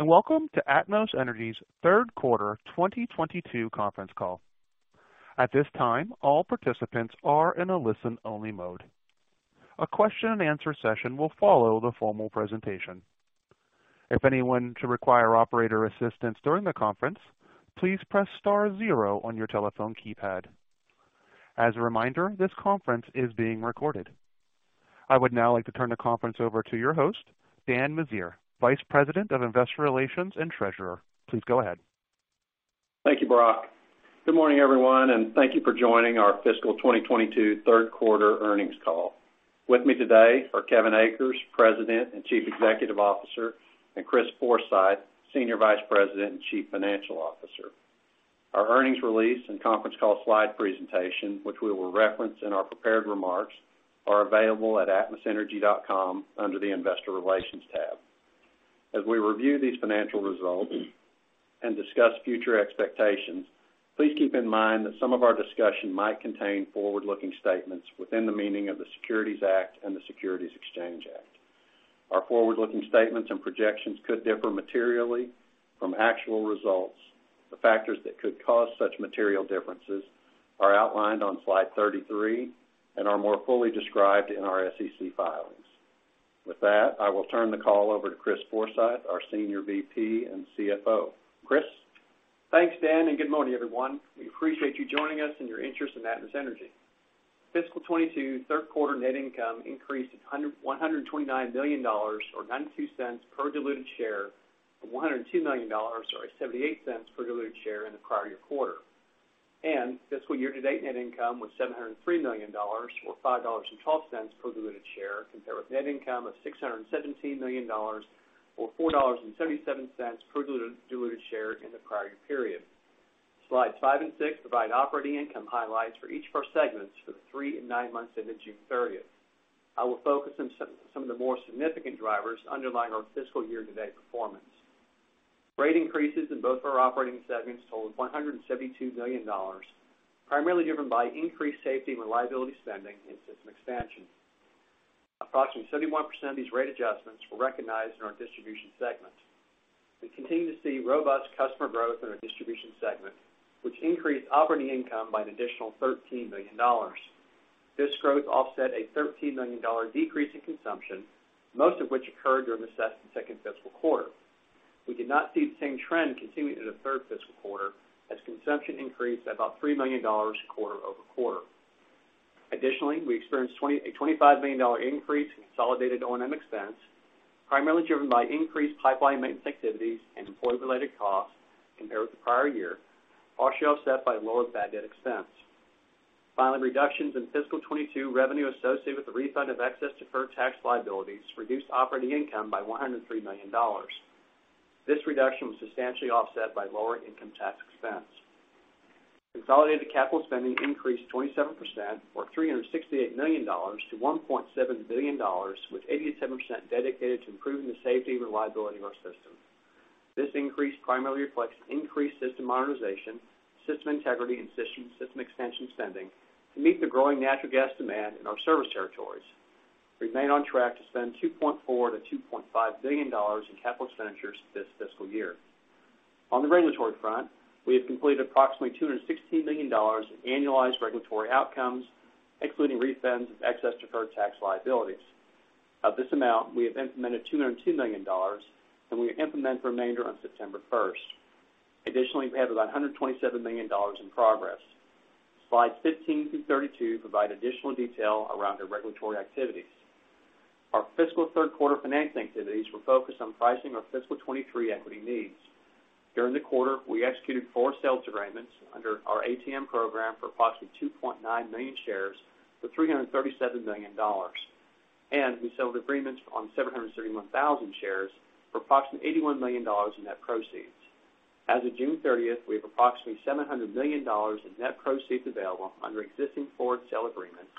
Greetings, and welcome to Atmos Energy's third quarter 2022 conference call. At this time, all participants are in a listen-only mode. A question-and-answer session will follow the formal presentation. If anyone should require operator assistance during the conference, please press star zero on your telephone keypad. As a reminder, this conference is being recorded. I would now like to turn the conference over to your host, Dan Meziere, Vice President of Investor Relations and Treasurer. Please go ahead. Thank you, Brock. Good morning, everyone, and thank you for joining our fiscal 2022 third quarter earnings call. With me today are Kevin Akers, President and Chief Executive Officer, and Chris Forsythe, Senior Vice President and Chief Financial Officer. Our earnings release and conference call slide presentation, which we will reference in our prepared remarks, are available at atmosenergy.com under the Investor Relations tab. As we review these financial results and discuss future expectations, please keep in mind that some of our discussion might contain forward-looking statements within the meaning of the Securities Act and the Securities Exchange Act. Our forward-looking statements and projections could differ materially from actual results. The factors that could cause such material differences are outlined on slide 33 and are more fully described in our SEC filings. With that, I will turn the call over to Chris Forsythe, our Senior VP and CFO. Chris? Thanks, Dan, and good morning, everyone. We appreciate you joining us in your interest in Atmos Energy. Fiscal 2022 third-quarter net income increased $129 million or $0.92 per diluted share from $102 million or $0.78 per diluted share in the prior quarter. Fiscal year to date net income was $703 million or $5.12 per diluted share compared with net income of $617 million or $4.77 per diluted share in the prior period. Slides five and six provide operating income highlights for each of our segments for the three and nine months ending June 30. I will focus on some of the more significant drivers underlying our fiscal year to date performance. Rate increases in both our operating segments totaled $172 million, primarily driven by increased safety and reliability spending and system expansion. Approximately 71% of these rate adjustments were recognized in our distribution segment. We continue to see robust customer growth in our distribution segment, which increased operating income by an additional $13 million. This growth offset a $13 million decrease in consumption, most of which occurred during the second fiscal quarter. We did not see the same trend continuing into the third fiscal quarter as consumption increased at about $3 million quarter-over-quarter. Additionally, we experienced a $25 million increase in consolidated O&M expense, primarily driven by increased pipeline maintenance activities and employee-related costs compared with the prior year, partially offset by lower bad debt expense. Finally, reductions in fiscal 2022 revenue associated with the refund of excess deferred tax liabilities reduced operating income by $103 million. This reduction was substantially offset by lower income tax expense. Consolidated capital spending increased 27% or $368 million to $1.7 billion, with 87% dedicated to improving the safety and reliability of our system. This increase primarily reflects increased system modernization, system integrity, and system extension spending to meet the growing natural gas demand in our service territories. We remain on track to spend $2.4 billion-$2.5 billion in capital expenditures this fiscal year. On the regulatory front, we have completed approximately $216 million in annualized regulatory outcomes, including refunds of excess deferred tax liabilities. Of this amount, we have implemented $202 million, and we will implement the remainder on September 1. Additionally, we have about $127 million in progress. Slides 15 through 32 provide additional detail around our regulatory activities. Our fiscal third quarter financing activities were focused on pricing our fiscal 2023 equity needs. During the quarter, we executed four sales agreements under our ATM program for approximately 2.9 million shares for $337 million. We sold agreements on 731,000 shares for approximately $81 million in net proceeds. As of June 30, we have approximately $700 million in net proceeds available under existing forward sale agreements,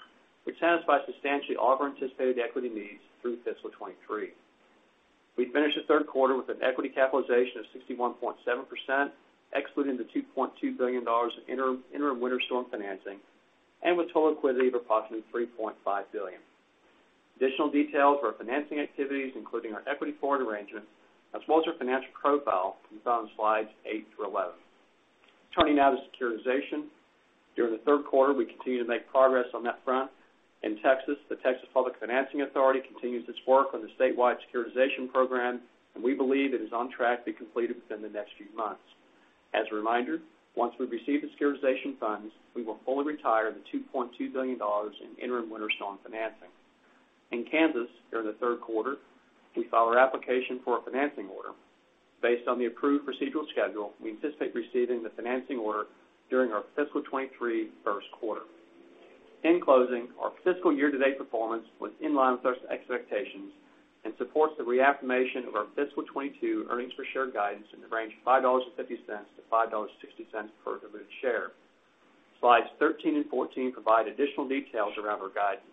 which satisfy substantially all of our anticipated equity needs through fiscal 2023. We finished the third quarter with an equity capitalization of 61.7%, excluding the $2.2 billion of interim winter storm financing and with total liquidity of approximately $3.5 billion. Additional details of our financing activities, including our equity forward arrangements as well as our financial profile, can be found on slides eight through 11. Turning now to securitization. During the third quarter, we continued to make progress on that front. In Texas, the Texas Public Finance Authority continues its work on the statewide securitization program, and we believe it is on track to be completed within the next few months. As a reminder, once we've received the securitization funds, we will fully retire the $2.2 billion in interim winter storm financing. In Kansas, during the third quarter, we filed our application for a financing order. Based on the approved procedural schedule, we anticipate receiving the financing order during our fiscal 2023 first quarter. In closing, our fiscal year to date performance was in line with our expectations and supports the reaffirmation of our fiscal 2022 earnings per share guidance in the range of $5.50-$5.60 per diluted share. Slides 13 and 14 provide additional details around our guidance.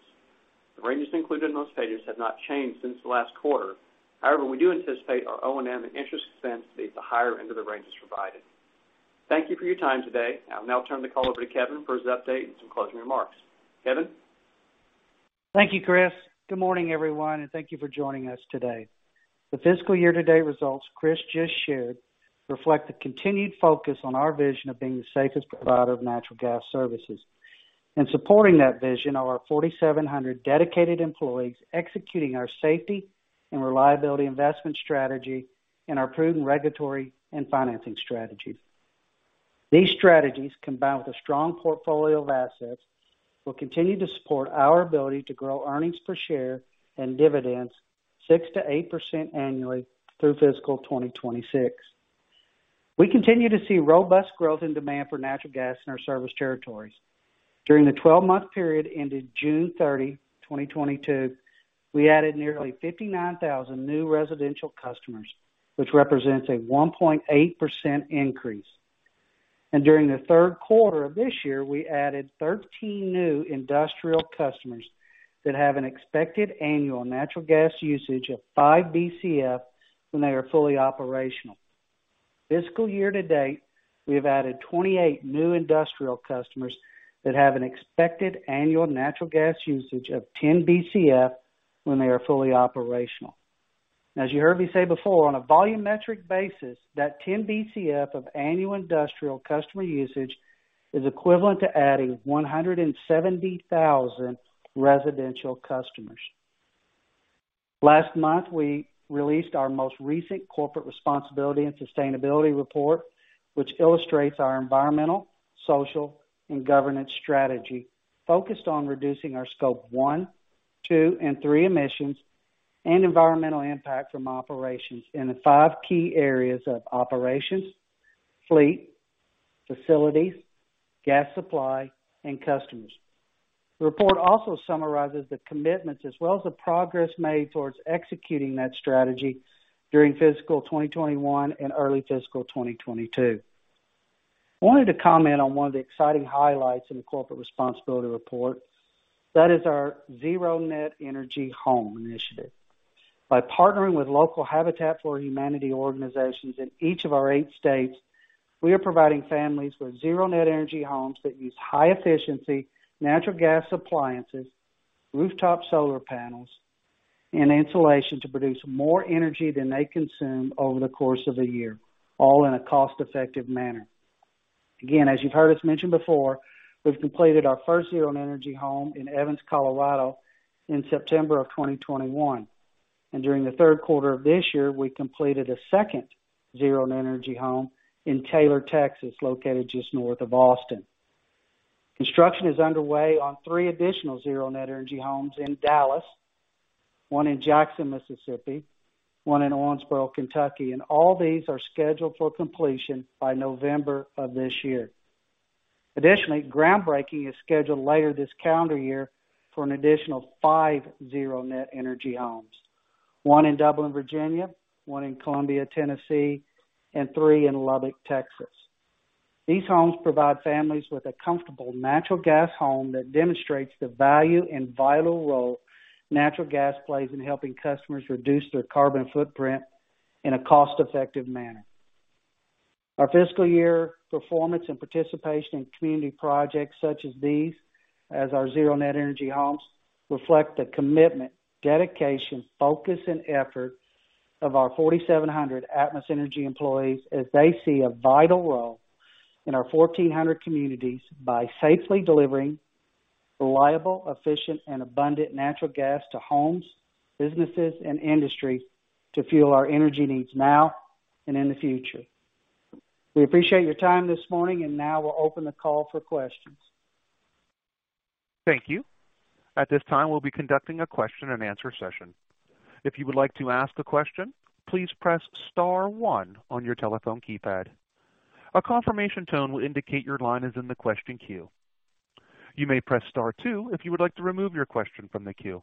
The ranges included in those pages have not changed since the last quarter. However, we do anticipate our O&M and interest expense to be at the higher end of the ranges provided. Thank you for your time today. I'll now turn the call over to Kevin for his update and some closing remarks. Kevin? Thank you, Chris. Good morning, everyone, and thank you for joining us today. The fiscal year-to-date results Chris just shared reflect the continued focus on our vision of being the safest provider of natural gas services. In supporting that vision are our 4,700 dedicated employees executing our safety and reliability investment strategy and our prudent regulatory and financing strategy. These strategies, combined with a strong portfolio of assets, will continue to support our ability to grow earnings per share and dividends 6%-8% annually through fiscal 2026. We continue to see robust growth and demand for natural gas in our service territories. During the twelve-month period ended June 30, 2022, we added nearly 59,000 new residential customers, which represents a 1.8% increase. During the third quarter of this year, we added 13 new industrial customers that have an expected annual natural gas usage of 5 Bcf when they are fully operational. Fiscal year to date, we have added 28 new industrial customers that have an expected annual natural gas usage of 10 Bcf when they are fully operational. As you heard me say before, on a volumetric basis, that 10 Bcf of annual industrial customer usage is equivalent to adding 170,000 residential customers. Last month, we released our most recent corporate responsibility and sustainability report, which illustrates our environmental, social, and governance strategy focused on reducing our Scope 1, 2, and 3 emissions and environmental impact from operations in the five key areas of operations, fleet, facilities, gas supply, and customers. The report also summarizes the commitments as well as the progress made towards executing that strategy during fiscal 2021 and early fiscal 2022. I wanted to comment on one of the exciting highlights in the corporate responsibility report. That is our zero net energy home initiative. By partnering with local Habitat for Humanity organizations in each of our 8 states, we are providing families with zero net energy homes that use high efficiency natural gas appliances, rooftop solar panels, and insulation to produce more energy than they consume over the course of the year, all in a cost-effective manner. Again, as you've heard us mention before, we've completed our first zero net energy home in Evans, Colorado, in September 2021. During the third quarter of this year, we completed a second zero net energy home in Taylor, Texas, located just north of Austin. Construction is underway on three additional zero net energy homes in Dallas, one in Jackson, Mississippi, one in Owensboro, Kentucky, and all these are scheduled for completion by November of this year. Additionally, groundbreaking is scheduled later this calendar year for an additional five zero net energy homes, one in Dublin, Virginia, one in Columbia, Tennessee, and three in Lubbock, Texas. These homes provide families with a comfortable natural gas home that demonstrates the value and vital role natural gas plays in helping customers reduce their carbon footprint in a cost-effective manner. Our fiscal year performance and participation in community projects such as these, as our zero net energy homes, reflect the commitment, dedication, focus, and effort of our 4,700 Atmos Energy employees as they see a vital role in our 1,400 communities by safely delivering reliable, efficient, and abundant natural gas to homes, businesses, and industry to fuel our energy needs now and in the future. We appreciate your time this morning, and now we'll open the call for questions. Thank you. At this time, we'll be conducting a question and answer session. If you would like to ask a question, please press star one on your telephone keypad. A confirmation tone will indicate your line is in the question queue. You may press star two if you would like to remove your question from the queue.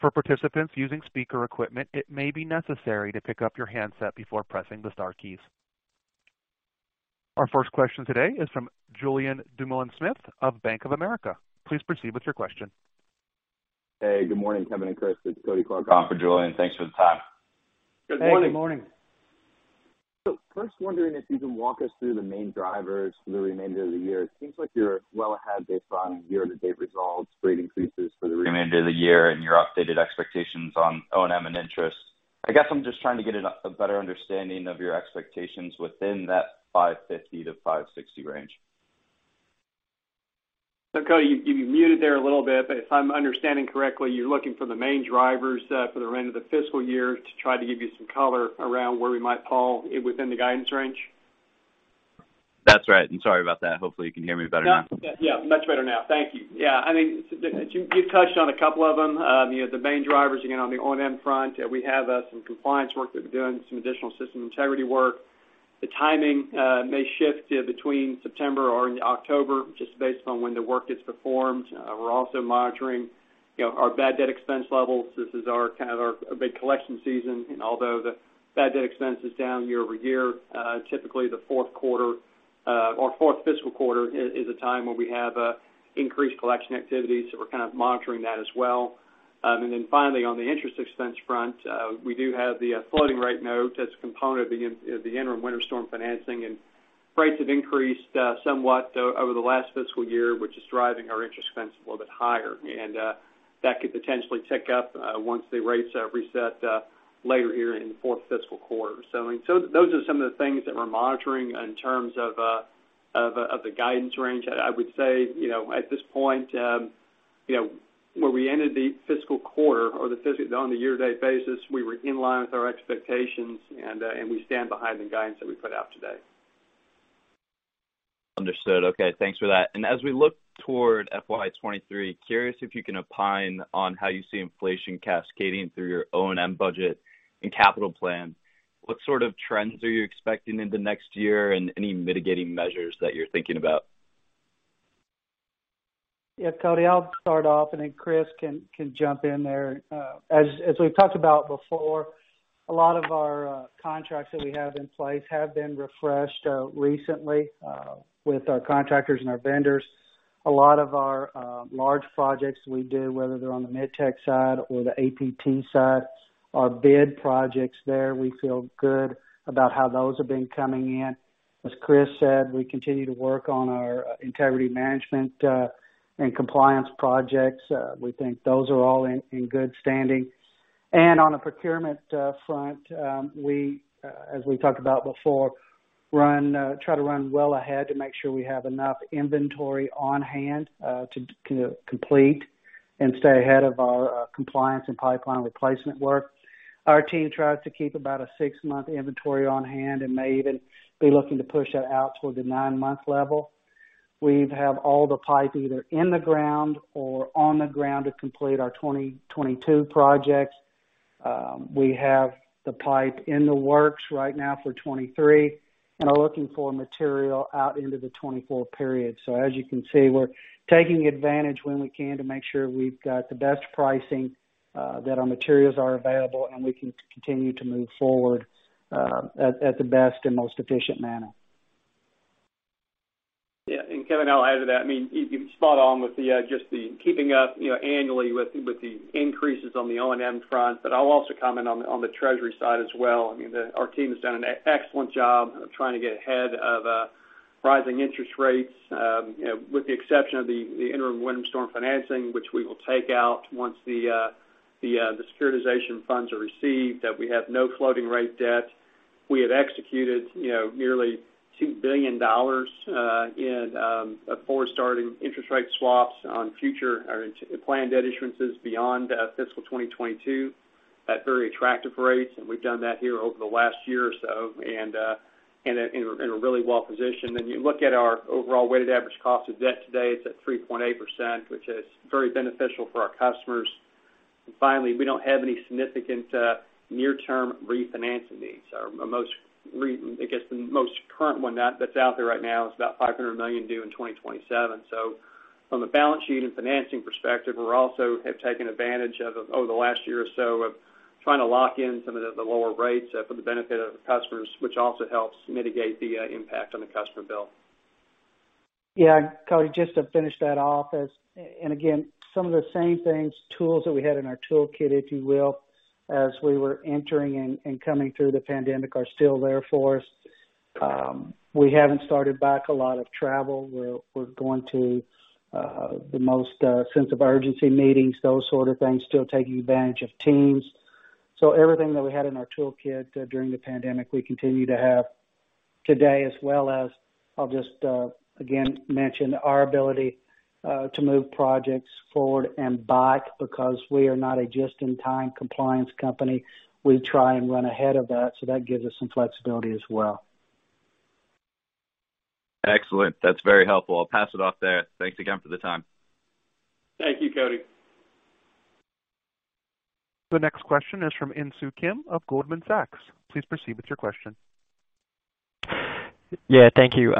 For participants using speaker equipment, it may be necessary to pick up your handset before pressing the star keys. Our first question today is from Julien Dumoulin-Smith of Bank of America. Please proceed with your question. Hey, good morning, Kevin and Chris. It's Kody Clark on for Julien. Thanks for the time. Good morning. Hey, good morning. First, wondering if you can walk us through the main drivers for the remainder of the year. It seems like you're well ahead based on year-to-date results, rate increases for the remainder of the year and your updated expectations on O&M and interest. I guess I'm just trying to get a better understanding of your expectations within that 550-560 range. Cody, you muted there a little bit, but if I'm understanding correctly, you're looking for the main drivers, for the remainder of the fiscal year to try to give you some color around where we might fall within the guidance range. That's right. I'm sorry about that. Hopefully, you can hear me better now. Yeah, much better now. Thank you. Yeah, I mean, you've touched on a couple of them. You know, the main drivers, again, on the O&M front, we have some compliance work that we're doing, some additional system integrity work. The timing may shift to between September or into October, just based on when the work gets performed. We're also monitoring, you know, our bad debt expense levels. This is our kind of a big collection season. Although the bad debt expense is down year-over-year, typically the fourth quarter or fourth fiscal quarter is a time where we have increased collection activities. We're kind of monitoring that as well. Finally, on the interest expense front, we do have the floating rate note as a component of the interim winter storm financing, and rates have increased somewhat over the last fiscal year, which is driving our interest expense a little bit higher. That could potentially tick up once the rates reset later here in the fourth fiscal quarter. I mean, those are some of the things that we're monitoring in terms of the guidance range. I would say, you know, at this point, you know, where we ended the fiscal quarter or on the year-to-date basis, we were in line with our expectations and we stand behind the guidance that we put out today. Understood. Okay, thanks for that. As we look toward FY 2023, curious if you can opine on how you see inflation cascading through your O&M budget and capital plan. What sort of trends are you expecting into next year and any mitigating measures that you're thinking about? Yeah, Cody, I'll start off, and then Chris can jump in there. As we've talked about before, a lot of our contracts that we have in place have been refreshed recently with our contractors and our vendors. A lot of our large projects we do, whether they're on the Mid-Tex side or the APT side, are bid projects there. We feel good about how those have been coming in. As Chris said, we continue to work on our integrity management and compliance projects. We think those are all in good standing. On the procurement front, as we talked about before, we try to run well ahead to make sure we have enough inventory on-hand to complete and stay ahead of our compliance and pipeline replacement work. Our team tries to keep about a 6-month inventory on-hand and may even be looking to push that out toward the 9-month level. We have all the pipe either in the ground or on the ground to complete our 2022 projects. We have the pipe in the works right now for 2023 and are looking for material out into the 2024 period. As you can see, we're taking advantage when we can to make sure we've got the best pricing, that our materials are available, and we can continue to move forward, at the best and most efficient manner. Yeah. Kevin, I'll add to that. I mean, you're spot on with just the keeping up annually with the increases on the O&M front. I'll also comment on the treasury side as well. I mean, our team has done an excellent job of trying to get ahead of rising interest rates with the exception of the interim winter storm financing, which we will take out once the securitization funds are received, that we have no floating rate debt. We have executed nearly $2 billion in forward-starting interest rate swaps on future or planned debt issuances beyond fiscal 2022 at very attractive rates. We've done that here over the last year or so, and in a really well position. When you look at our overall weighted average cost of debt today, it's at 3.8%, which is very beneficial for our customers. Finally, we don't have any significant near-term refinancing needs. Our most I guess the most current one that's out there right now is about $500 million due in 2027. From a balance sheet and financing perspective, we're also have taken advantage of, over the last year or so, of trying to lock in some of the lower rates for the benefit of the customers, which also helps mitigate the impact on the customer bill. Yeah. Cody, just to finish that off. Again, some of the same things, tools that we had in our toolkit, if you will, as we were entering and coming through the pandemic are still there for us. We haven't started back a lot of travel. We're going to the most sense of urgency meetings, those sort of things, still taking advantage of Teams. Everything that we had in our toolkit during the pandemic, we continue to have today, as well as I'll just again mention our ability to move projects forward and back because we are not a just-in-time compliance company. We try and run ahead of that, so that gives us some flexibility as well. Excellent. That's very helpful. I'll pass it off there. Thanks again for the time. Thank you, Kody. The next question is from Insoo Kim of Goldman Sachs. Please proceed with your question. Yeah, thank you.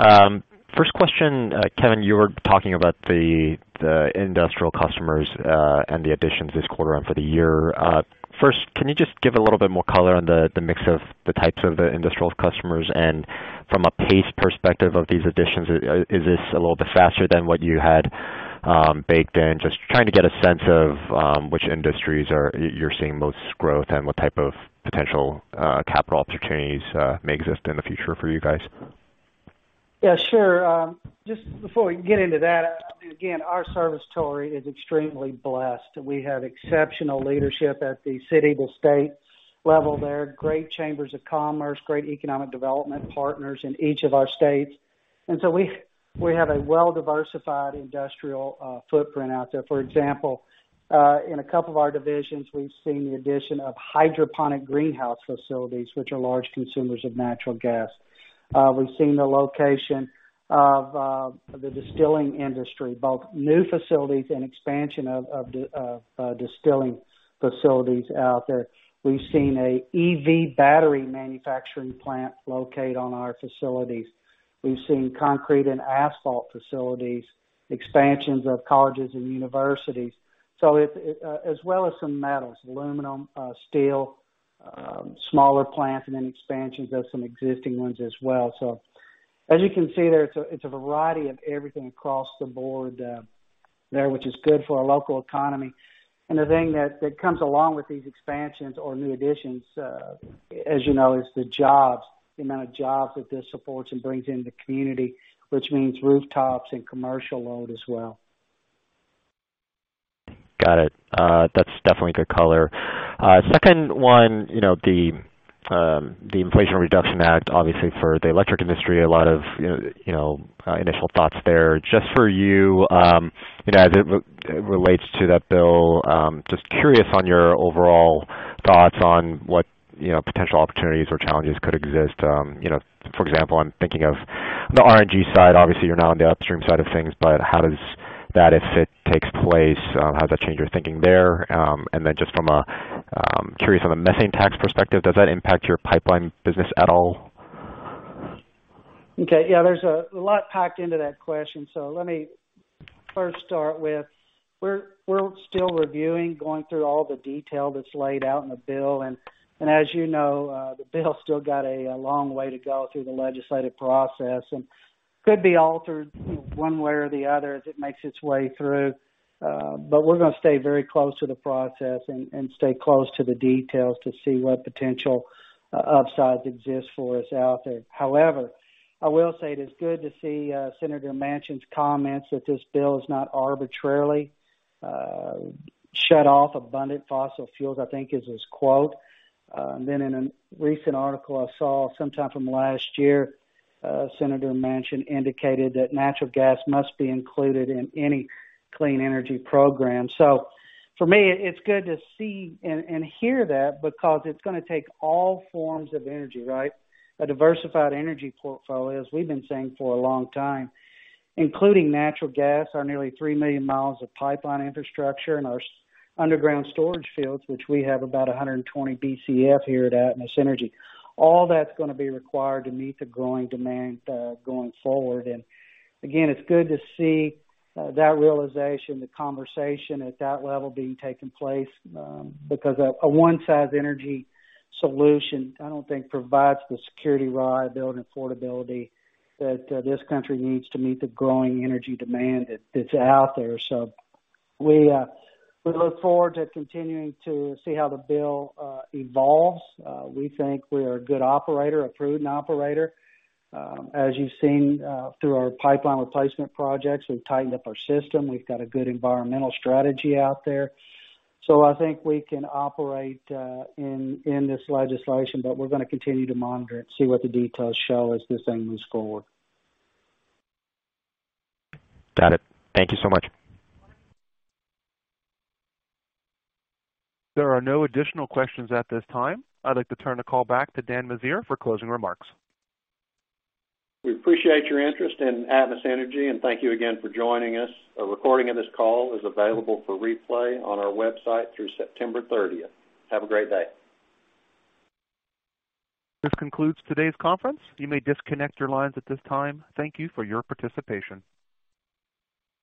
First question, Kevin, you were talking about the industrial customers and the additions this quarter and for the year. First, can you just give a little bit more color on the mix of the types of the industrial customers? From a pace perspective of these additions, is this a little bit faster than what you had baked in? Just trying to get a sense of which industries you're seeing most growth and what type of potential capital opportunities may exist in the future for you guys. Yeah, sure. Just before we get into that, again, our service territory is extremely blessed. We have exceptional leadership at the city, the state level there, great chambers of commerce, great economic development partners in each of our states. We have a well-diversified industrial footprint out there. For example, in a couple of our divisions, we've seen the addition of hydroponic greenhouse facilities, which are large consumers of natural gas. We've seen the location of the distilling industry, both new facilities and expansion of distilling facilities out there. We've seen a EV battery manufacturing plant locate on our facilities. We've seen concrete and asphalt facilities, expansions of colleges and universities. As well as some metals, aluminum, steel, smaller plants and then expansions of some existing ones as well. As you can see there, it's a variety of everything across the board, there, which is good for our local economy. The thing that comes along with these expansions or new additions, as you know, is the jobs, the amount of jobs that this supports and brings into the community, which means rooftops and commercial load as well. Got it. That's definitely good color. Second one, you know, the Inflation Reduction Act, obviously for the electric industry, a lot of you know initial thoughts there. Just for you know, as it relates to that bill, just curious on your overall thoughts on what, you know, potential opportunities or challenges could exist. You know, for example, I'm thinking of the RNG side. Obviously, you're now on the upstream side of things, but how does that, if it takes place, how does that change your thinking there? And then just curious on the methane tax perspective, does that impact your pipeline business at all? Okay. Yeah, there's a lot packed into that question, so let me first start with, we're still reviewing, going through all the detail that's laid out in the bill. As you know, the bill's still got a long way to go through the legislative process, and could be altered one way or the other as it makes its way through. But we're gonna stay very close to the process and stay close to the details to see what potential upsides exist for us out there. However, I will say it is good to see Senator Manchin's comments that this bill is not arbitrarily shut off abundant fossil fuels, I think is his quote. In a recent article I saw sometime from last year, Senator Manchin indicated that natural gas must be included in any clean energy program. For me, it's good to see and hear that because it's gonna take all forms of energy, right? A diversified energy portfolio, as we've been saying for a long time, including natural gas. Our nearly 3,000,000 miles of pipeline infrastructure and our underground storage fields, which we have about 120 Bcf here at Atmos Energy. All that's gonna be required to meet the growing demand going forward. Again, it's good to see that realization, the conversation at that level being taken place because a one-size energy solution, I don't think provides the security, reliability, and affordability that this country needs to meet the growing energy demand that's out there. We look forward to continuing to see how the bill evolves. We think we are a good operator, a prudent operator. As you've seen, through our pipeline replacement projects, we've tightened up our system. We've got a good environmental strategy out there. I think we can operate in this legislation, but we're gonna continue to monitor it and see what the details show as this thing moves forward. Got it. Thank you so much. There are no additional questions at this time. I'd like to turn the call back to Daniel M. Meziere for closing remarks. We appreciate your interest in Atmos Energy, and thank you again for joining us. A recording of this call is available for replay on our website through September 30th. Have a great day. This concludes today's conference. You may disconnect your lines at this time. Thank you for your participation.